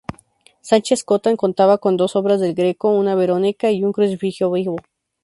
Sánchez Cotán contaba con dos obras del Greco, una "Verónica" y un "Crucifijo vivo".